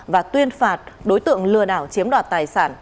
và tuyên phạt đối tượng lừa đảo chiếm đoạt tài sản